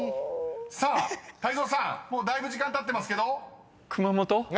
［さあ泰造さんもうだいぶ時間たってますけど？］